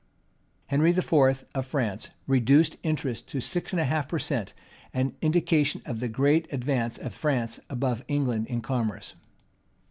Henry IV. of France reduced Interest to six and a half per cent.; an indication of the great advance of France above England in commerce.